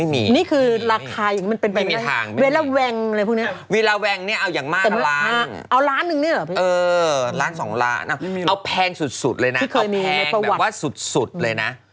นี่คือราคายังเป็น